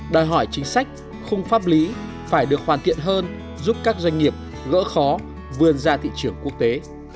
đòi hỏi chính sách khung pháp lý phải được hoàn thiện hơn giúp các doanh nghiệp gỡ khó vươn ra thị trường quốc tế